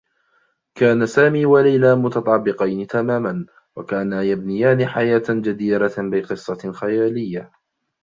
كان سامي و ليلى متطابقين تماما و كانا يبنيان حياة جديرة بقصة خيالية.